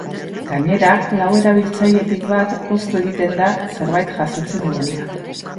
Gainera, lau erabiltzailetik bat poztu egiten da zerbait jasotzen duenean.